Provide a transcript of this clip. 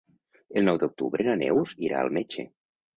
El nou d'octubre na Neus irà al metge.